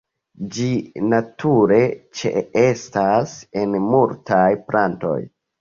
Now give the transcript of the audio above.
Ĝi nature ĉeestas en multaj plantoj.